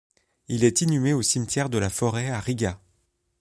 Il est inhumé au cimetière de la Forêt à Riga.